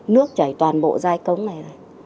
nước chảy toàn bộ dai cống này